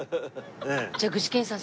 じゃあ具志堅さん